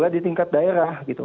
jadi tingkat daerah gitu